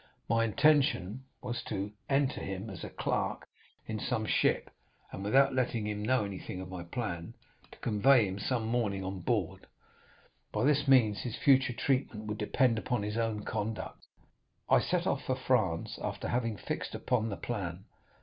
My intention was to enter him as a clerk in some ship, and without letting him know anything of my plan, to convey him some morning on board; by this means his future treatment would depend upon his own conduct. I set off for France, after having fixed upon the plan.